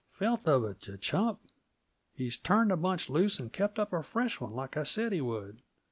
"Felt of it, yuh chump. He's turned the bunch loose and kept up a fresh one, like I said he would.